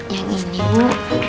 yang ini bu